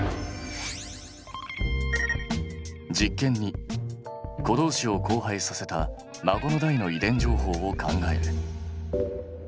実験２子どうしを交配させた孫の代の遺伝情報を考える。